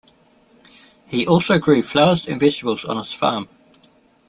He also grew flowers and vegetables on his farm.